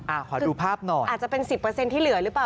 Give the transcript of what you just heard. ขอดูภาพหน่อยอาจจะเป็น๑๐ที่เหลือหรือเปล่า